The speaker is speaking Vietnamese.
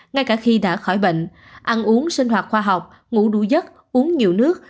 ngay cả khi đã khỏi bệnh ăn uống sinh hoạt khoa học ngủ đu dất uống nhiều nước